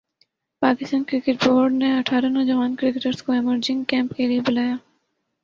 Pakistan cricket board نے اٹھارہ نوجوان کرکٹرز کو ایمرجنگ کیمپ کیلئے بلا لیا